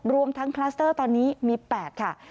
รวมทั้งคลัสเตอร์ตอนนี้มี๘ค่ะ